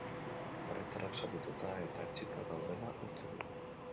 Herritarrak zatituta eta etsita daudela uste du.